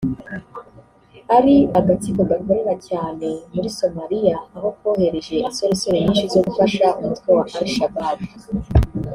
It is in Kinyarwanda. ari agatsiko gakorera cyane muri Somalia aho kwohereje insorersore nyinshi zo gufasha umutwe wa Al Shabab